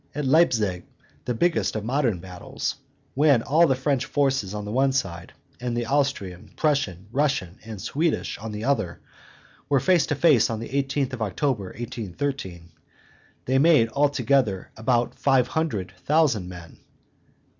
At Leipzig, the biggest of modern battles, when all the French forces on the one side, and the Austrian, Prussian, Russian, and Swedish on the other, were face to face on the 18th of October, 1813, they made all together about five hundred thousand men.